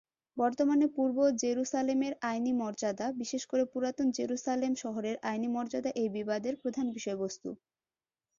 বর্তমানে পূর্ব জেরুসালেমের আইনি মর্যাদা, বিশেষ করে পুরাতন জেরুসালেম শহরের আইনি মর্যাদা এই বিবাদের প্রধান বিষয়বস্তু।